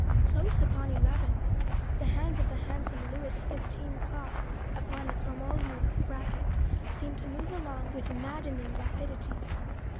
Close upon eleven! the hands of the handsome Louis XV. clock upon its ormolu bracket seemed to move along with maddening rapidity.